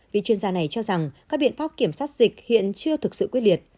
vì chuyên gia này cho rằng các biện pháp kiểm soát dịch hiện chưa thực sự quyết liệt